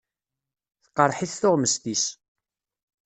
Tqeṛṛeḥ-it tuɣmest-is.